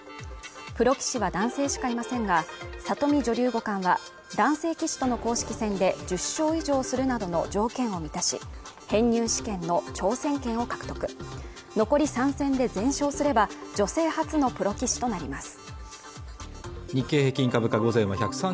プロ棋士は男性しかいませんが里見女流五冠は男性棋士との公式戦で１０勝以上するなどの条件を満たし編入試験の挑戦権を獲得残り３戦で全勝すれば女性初のプロ棋士となります